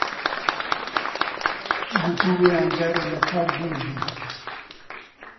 گوتبوویان جارێ لە کار دوور بێ